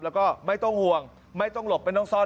แล้วก็ไม่ต้องห่วงไม่ต้องหลบไม่ต้องซ่อน